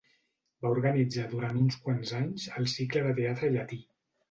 Va organitzar durant uns quants anys el Cicle de Teatre Llatí.